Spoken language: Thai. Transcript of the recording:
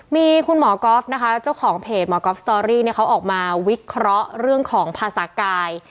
มีคุณหมอก๊อฟนะคะเจ้าของเพจหมอก๊อฟสตอรี่เนี่ยเขาออกมาวิเคราะห์เรื่องของภาษากาย